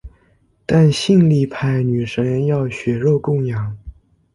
但性力派女神要血肉供养。